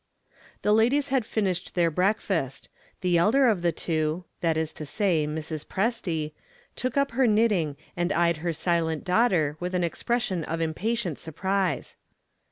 The ladies had finished their breakfast; the elder of the two that is to say, Mrs. Presty took up her knitting and eyed her silent daughter with an expression of impatient surprise.